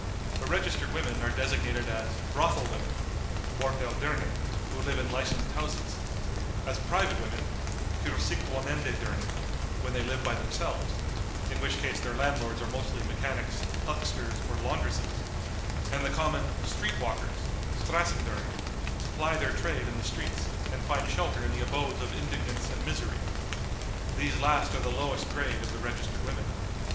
The registered women are designated as "Brothel women" (Bordell dirnen), who live in licensed houses; as "Private women" (für sich wohnende dirnen) when they live by themselves, in which case their landlords are mostly mechanics, hucksters, or laundresses; and the common "Street walkers" (Strassen dirnen), who ply their trade in the streets, and find shelter in the abodes of indigence and misery. These last are the lowest grade of the registered women.